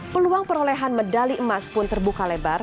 peluang perolehan medali emas pun terbuka lebar